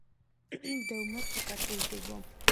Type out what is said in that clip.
دا امت په کړکېچ ډوب و